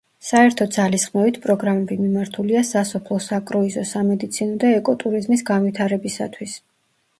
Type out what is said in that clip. საერთო ძალისხმევით პროგრამები მიმართულია სასოფლო, საკრუიზო, სამედიცინო და ეკოტურიზმის განვითარებისათვის.